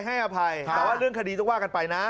ให้อภัยแต่ว่าเรื่องคดีต้องว่ากันไปนะ